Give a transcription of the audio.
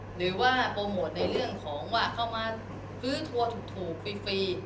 หรือว่าโปรโมทในเรื่องของว่าเข้ามาซื้อทัวร์ถูกฟรี